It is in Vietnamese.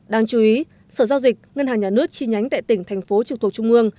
đáng chú ý sở giao dịch ngân hàng nhà nước chi nhánh tại tỉnh thành phố trực thuộc trung ương